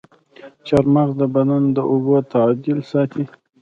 چارمغز د بدن د اوبو تعادل ساتي.